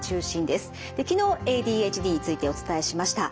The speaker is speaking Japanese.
で昨日ＡＤＨＤについてお伝えしました。